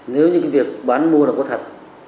nếu như cái việc bán mua nó có thật